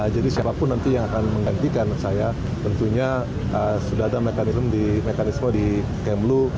jadi siapapun nanti yang akan menggantikan saya tentunya sudah ada mekanisme di kemlu